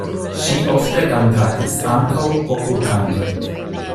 Ŝi ofte kantadis ankaŭ popolkantojn.